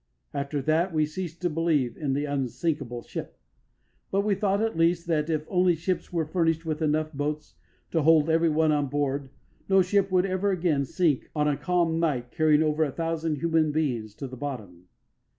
After that, we ceased to believe in the unsinkable ship; but we thought at least that, if only ships were furnished with enough boats to hold everyone on board, no ship would ever again sink on a calm night carrying over a thousand human beings to the bottom.